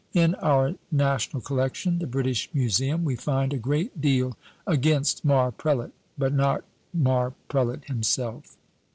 In our national collection, the British Museum, we find a great deal against Mar prelate, but not Mar prelate himself.